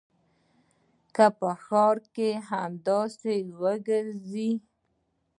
که په ښار کښې همداسې وګرځې.